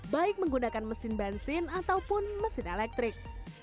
baik menggunakan mesin bensin ataupun mesin elektrik